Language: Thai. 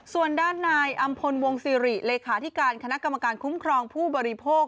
ส่วนด้านนายอำพลวงศิริเลขาธิการคณะกรรมการคุ้มครองผู้บริโภค